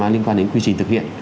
liên quan đến quy trình thực hiện